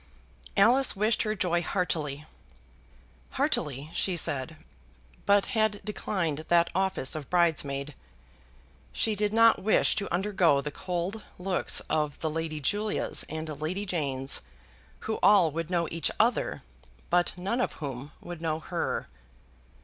Alice wished her joy heartily, "heartily," she said, but had declined that office of bridesmaid. She did not wish to undergo the cold looks of the Lady Julias and Lady Janes who all would know each other, but none of whom would know her.